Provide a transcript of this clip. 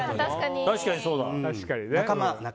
確かにそうだな。